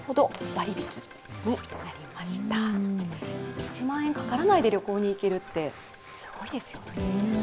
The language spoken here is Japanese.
１万円かからないで旅行に行けるってすごいですよ。